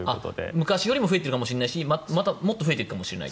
昔より増えているかもしれないしもっと増えていくかもしれない。